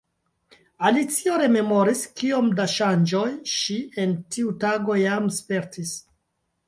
Alicio rememoris kiom da ŝanĝoj ŝi en tiu tago jam spertis.